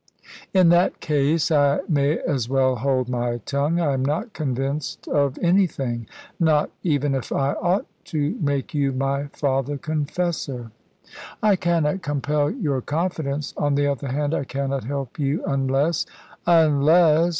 "In that case I may as well hold my tongue. I am not convinced of anything, not even if I ought to make you my father confessor." "I cannot compel your confidence. On the other hand, I cannot help you unless " "Unless!